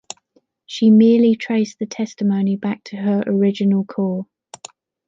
She merely traced the testimony back to her original core.